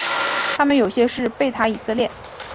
他们有些是贝塔以色列。